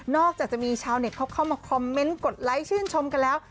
อกจากจะมีชาวเน็ตเขาเข้ามาคอมเมนต์กดไลค์ชื่นชมกันแล้ว